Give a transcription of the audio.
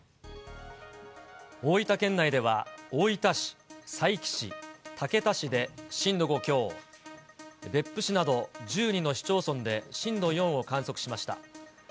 大分県内では、大分市、佐伯市、竹田市で震度５強、別府市など１２の市町村で震度４を観測しました。